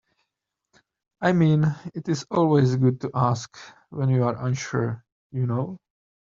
I mean, it is always good to ask when you are unsure, you know?